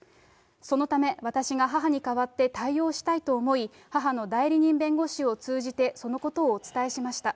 そのため、私が母に代わって対応したいと思い、母の代理人弁護士を通じてそのことをお伝えしました。